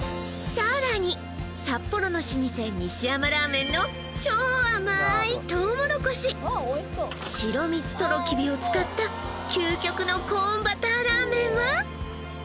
さらに札幌の老舗西山ラーメンの超甘いトウモロコシしろみつとろきびを使った究極のコーンバターラーメンは？